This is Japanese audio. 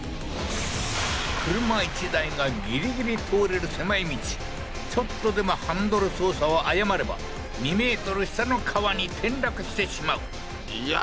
車１台がギリギリ通れる狭い道ちょっとでもハンドル操作を誤れば２メートル下の川に転落してしまういや